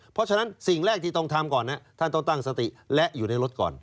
เพราะฉะนั้นสิ่งแรกที่ต้องทำก่อนนะท่านต้องตั้งสติและอยู่ในรถก่อน